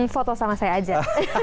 foto sama saya aja